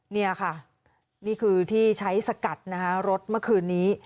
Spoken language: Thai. นี่ค่ะนี่คือที่ใช้สกัดนะคะรถเมื่อคืนนี้